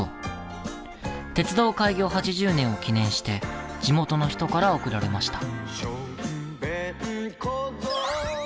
鉄道開業８０年を記念して地元の人から贈られました。